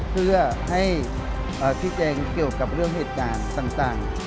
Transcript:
เพื่อให้ชี้แจงเกี่ยวกับเรื่องเหตุการณ์ต่าง